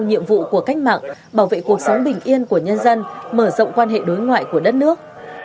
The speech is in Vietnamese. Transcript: nhiệm vụ của cách mạng bảo vệ cuộc sống bình yên của nhân dân mở rộng quan hệ đối ngoại của đất nước